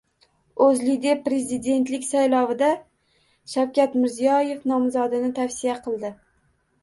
O‘zLiDeP prezidentlik saylovida Shavkat Mirziyoyev nomzodini tavsiya qildi